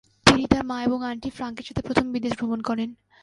তিনি তার মা এবং আন্টি ফ্রাঙ্কের সাথে প্রথম বিদেশ ভ্রমণ করেন।